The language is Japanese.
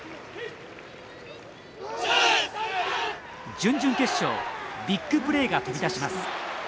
準々決勝ビッグプレーが飛び出します。